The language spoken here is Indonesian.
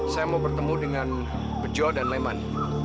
saya mau bertemu dengan bejo dan leman